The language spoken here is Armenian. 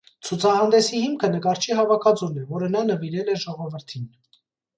Ցուցահանդեսի հիմքը նկարչի հավաքածուն է, որը նա նվիրվել է ժողովրդին։